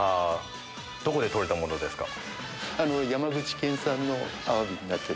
どこで採れたものですか？